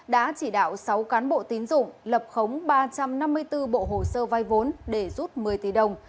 đã chỉ đạo sáu cán bộ tín dụng lập khống ba trăm năm mươi bốn bộ hồ sơ vai vốn để rút một mươi tỷ đồng